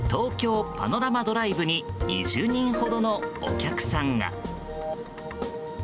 ＴＯＫＹＯパノラマドライブに２０人ほどのお客さんが。